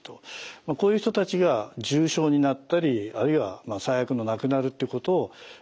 こういう人たちが重症になったりあるいは最悪の亡くなるっていうことを防ぐ。